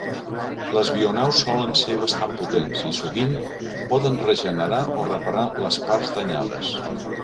Les bionaus solen ser bastant potents i, sovint, poden regenerar o reparar les parts danyades.